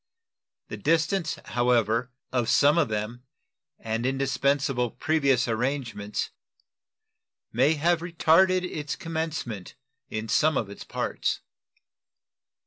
The distance, however, of some of them and indispensable previous arrangements may have retarded its commencement in some of its parts.